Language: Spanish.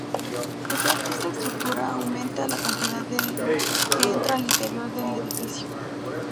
Esta estructura aumenta la cantidad de luz que entra al interior del edificio.